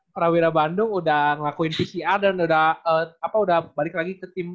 prawira bandung udah ngelakuin pcr dan udah balik lagi ke tim